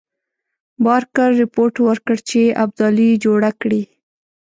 بارکر رپوټ ورکړ چې ابدالي جوړه کړې.